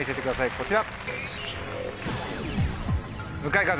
こちら。